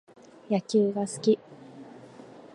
野球が好き